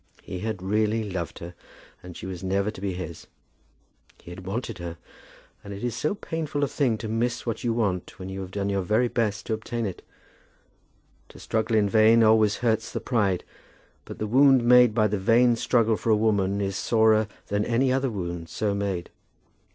He had really loved her and she was never to be his. He had wanted her, and it is so painful a thing to miss what you want when you have done your very best to obtain it! To struggle in vain always hurts the pride; but the wound made by the vain struggle for a woman is sorer than any other wound so made.